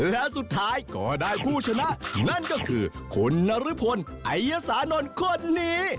และสุดท้ายก็ได้ผู้ชนะนั่นก็คือคุณนรพลไอยสานนท์คนนี้